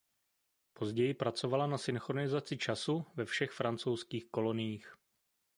Později pracovala na synchronizaci času ve všech francouzských koloniích.